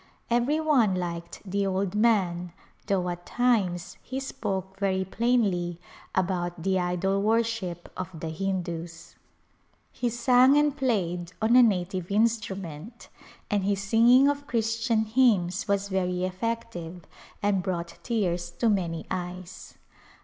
Every one liked the old man though at times he spoke very plainly about the idol u^orship of the Hindus. He sang and played on a native instrument, and his sing ing of Christian hymns w^as very effective and brought tears to many eyes.